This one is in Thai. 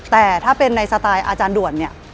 แต่ถ้าเป็นในสไตล์อาจารย์ด่วนเนี่ย